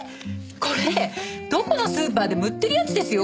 これどこのスーパーでも売ってるやつですよ。